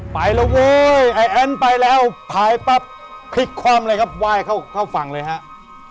ไปแล้วเว้ยไอ้แอ้นไปแล้วพายปั๊บพลิกคว่ำเลยครับไหว้เข้าฝั่งเลยครับ